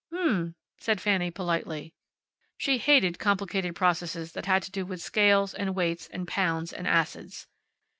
"Mm," said Fanny, politely. She hated complicated processes that had to do with scales, and weights, and pounds, and acids.